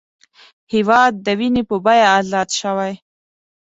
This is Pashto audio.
هېواد د وینې په بیه ازاد شوی